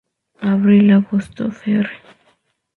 Abril-agosto, fr.